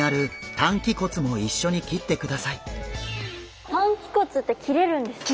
担鰭骨って切れるんですか？